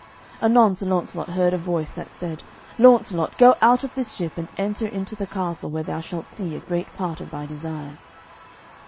Anon Sir Launcelot heard a voice that said, "Launcelot, go out of this ship, and enter into the castle, where thou shalt see a great part of thy desire."